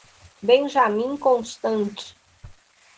Benjamin Constant